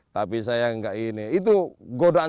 tapi saya enggak ini itu godaan